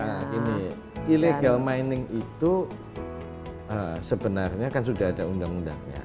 nah gini illegal mining itu sebenarnya kan sudah ada undang undangnya